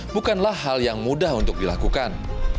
bukanlah hal yang mudah untuk dilakukan